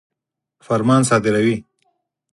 فرمان صادروي.